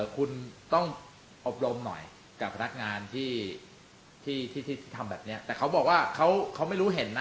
คุณต้องอบรมหน่อยกับพนักงานที่ทำแบบนี้แต่เขาบอกว่าเขาไม่รู้เห็นนะ